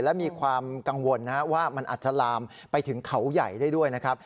และมีความกังวลว่ามันอาจจะลามไปถึงเขาใหญ่ได้ด้วยนะครับ